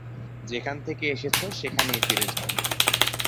যেখান থেকে এসেছো সেখানেই ফিরে যাও।